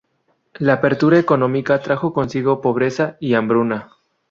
La apertura económica trajo consigo pobreza y hambruna.